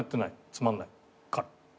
つまんないから。